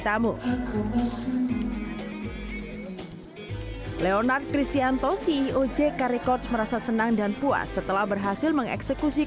tamu leonard cristianto ceo jk records merasa senang dan puas setelah berhasil mengeksekusi